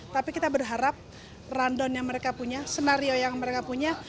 tapi kita berharap rundown yang mereka punya skenario yang mereka punya